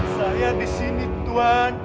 saya disini tuan